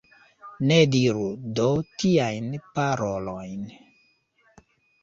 Ne diru do tiajn parolojn!